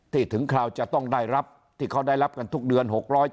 ถึงคราวจะต้องได้รับที่เขาได้รับกันทุกเดือน๖๗